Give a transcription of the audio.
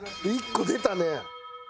１個出たね。